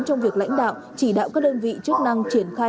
trong việc lãnh đạo chỉ đạo các đơn vị chức năng triển khai